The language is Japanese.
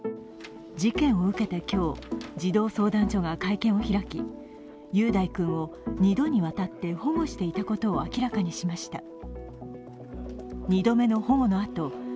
事件を受けて今日、児童相談所が会見を開き、雄大君を２度にわたって保護していたことを明らかにしました。